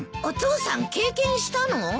お父さん経験したの？